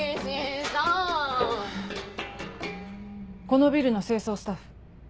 このビルの清掃スタッフ。